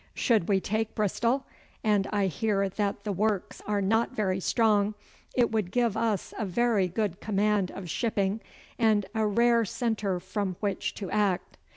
Should we take Bristol and I hear that the works are not very strong it would give us a very good command of shipping, and a rare centre from which to act.